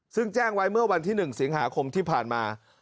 ซึ่งแจ้งไว้เมื่อวันที่๑สิงหาคมที่ผ่านมา